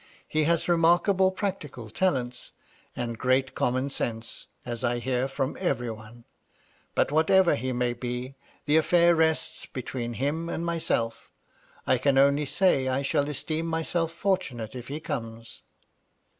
He has remarkable practical talents, and great common sense, as I hear from every one. But, whatever he may be, the affair rests between him and myself. I can only say I shall esteem myself fortunate if he comes."